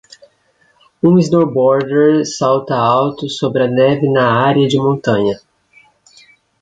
Um snowboarder salta alto sobre a neve na área de montanha.